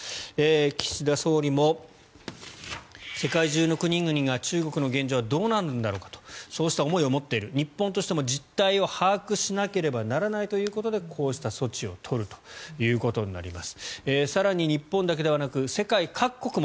岸田総理も世界中の国々が中国の現状はどうなるんだろうかとそうした思いを持っている日本としても実態を把握しなければならないということで中国で新型コロナ感染急拡大という状況です。